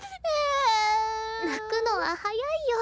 泣くのは早いよ。